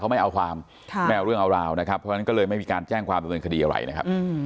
ไม่เอาความไม่เอาเรื่องเอาราวนะครับเพราะฉะนั้นก็เลยไม่มีการแจ้งความดำเนินคดีอะไรนะครับ